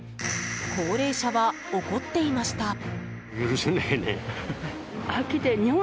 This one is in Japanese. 高齢者は怒っていました。